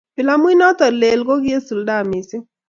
Filamuit notok lel ko kie sulda mising